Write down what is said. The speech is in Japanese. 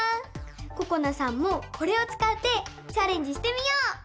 ここなさんもこれをつかってチャレンジしてみよう！